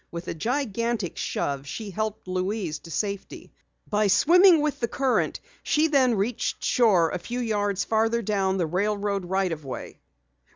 With a gigantic shove, she helped Louise to safety. By swimming with the current she then reached shore a few yards farther down the railroad right of way.